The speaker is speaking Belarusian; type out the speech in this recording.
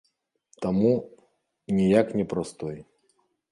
Таму, ніяк не прастой.